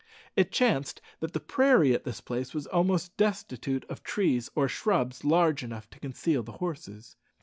It chanced that the prairie at this place was almost destitute of trees or shrubs large enough to conceal the horses.